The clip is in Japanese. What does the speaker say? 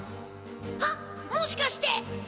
はっもしかして！